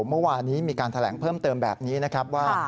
เมื่อวานนี้มีการแถลงเพิ่มเติมแบบนี้นะครับว่า